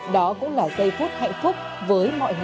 đó cũng là giây phút hạnh phúc với mọi người